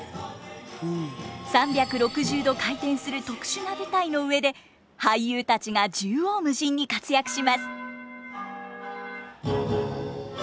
３６０度回転する特殊な舞台の上で俳優たちが縦横無尽に活躍します。